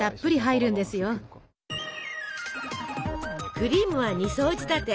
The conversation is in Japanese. クリームは２層仕立て。